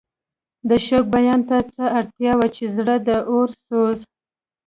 د شوق بیان ته څه اړتیا چې د زړه د اور سوز.